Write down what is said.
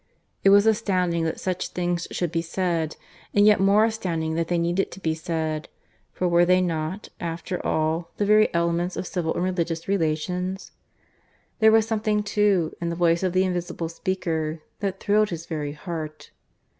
It was astounding that such things should be said, and yet more astounding that they needed to be said, for were they not, after all, the very elements of civil and religious relations? ... There was something too in the voice of the invisible speaker that thrilled his very heart.